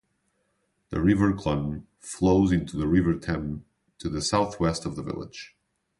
The River Clun flows into the River Teme to the southwest of the village.